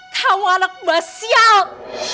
kamu anak basial